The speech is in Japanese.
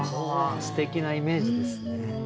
すてきなイメージですね。